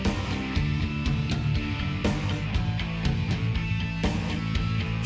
jokowi menjadwalkan kampanye nya di balikpapan kalimantan timur